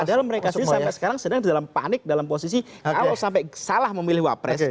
padahal mereka sendiri sampai sekarang sedang dalam panik dalam posisi kalau sampai salah memilih wapres